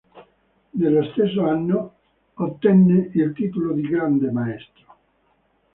Nello stesso anno ottenne il titolo di Grande maestro.